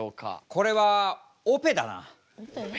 これはオペだな。